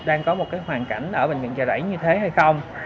đang có một cái hoàn cảnh ở bệnh viện trợ đẩy như thế hay không